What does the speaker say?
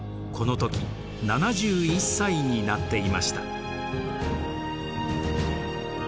この時７１歳になっていました。